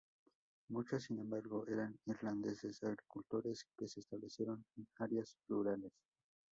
Muchos sin embargo, eran irlandeses agricultores que se establecieron en áreas rurales.